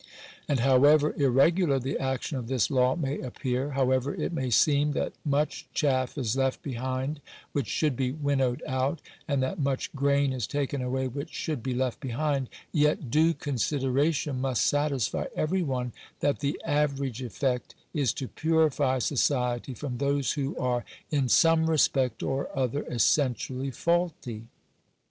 And, however irregular the action of this law may appear — however it may seem that much chaff is left behind which should be winnowed out, and that much grain is taken away which should be left behind, yet due consideration must satisfy every one that the average effect is to purify society from those who are, in some respect or other, essentially faulty.